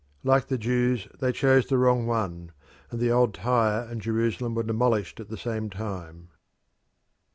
Like the Jews, they chose the wrong one, and the old Tyre and Jerusalem were demolished at the same time.